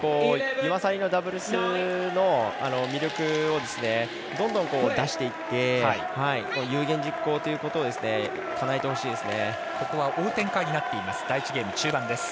ユマサリのダブルスの魅力どんどん出していって有言実行ということをかなえてほしいですね。